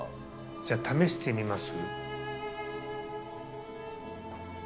じゃ試してみます？